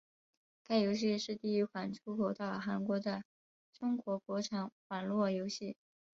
该游戏是第一款出口到韩国的中国国产网络游戏。